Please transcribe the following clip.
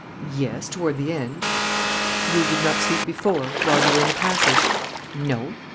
"Yes, toward the end." "You did not sleep before, while you were in the passage?" "No."